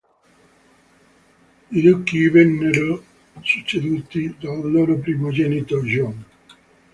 I duchi vennero succeduti dal loro primogenito, John.